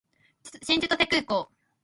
新千歳空港